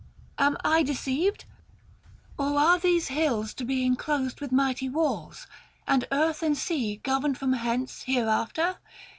Am I deceived ? or are these hills to be Enclosed with mighty walls ; and earth and sea Governed from hence hereafter